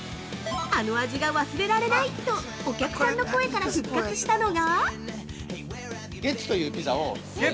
あの味が忘れられないとお客さんの声から復活したのが◆